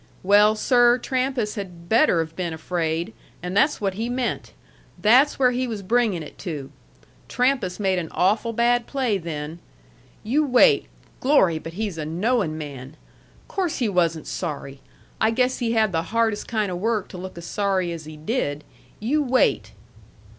Well, sir, Trampas had better have been afraid. And that's what he meant. There's where he was bringin' it to. Trampas made an awful bad play then. You wait. Glory, but he's a knowin' man! Course he wasn't sorry. I guess he had the hardest kind of work to look as sorry as he did. You wait."